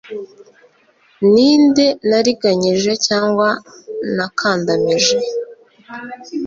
ni nde nariganyije cyangwa nakandamije